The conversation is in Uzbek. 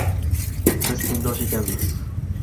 Biz tengdosh ekanmiz.